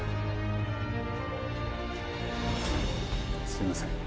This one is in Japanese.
すいません。